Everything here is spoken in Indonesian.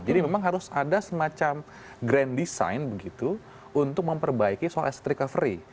jadi memang harus ada semacam grand design begitu untuk memperbaiki soal asset recovery